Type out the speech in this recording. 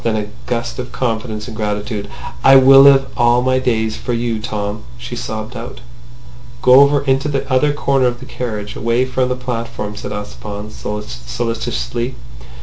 Then in a gust of confidence and gratitude, "I will live all my days for you, Tom!" she sobbed out. "Go over into the other corner of the carriage, away from the platform," said Ossipon solicitously.